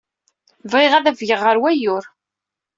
Bɣiɣ ad afgeɣ ɣer wayyur.